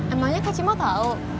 emangnya kak cimo tau